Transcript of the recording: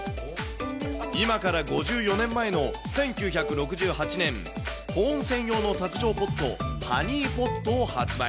今から５４年前の１９６８年、保温専用の卓上ポット、ハニーポットを発売。